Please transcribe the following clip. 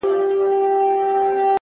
پوه انسان د حقیقت له لټونه نه ستړی کېږي!